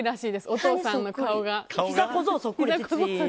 お父さんの顔が。